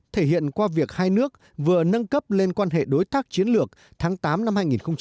thể hiện qua việc hai nước vừa nâng cấp lên quan hệ đối tác chiến lược tháng tám năm hai nghìn một mươi ba